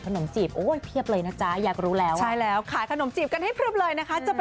แขนแหลกแยกดีกว่า